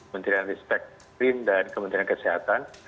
menteri respekt rin dan kementerian kesehatan